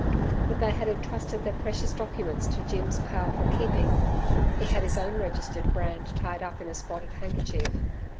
But they had entrusted their precious documents to Jim's powerful keeping. He had his own registered brand tied up in a spotted handkerchief.